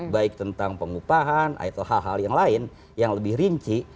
baik tentang pengupahan atau hal hal yang lain yang lebih rinci